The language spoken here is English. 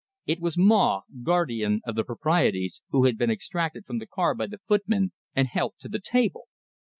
It was Maw, guardian of the proprieties, who had been extracted from the car by the footman, and helped to the table.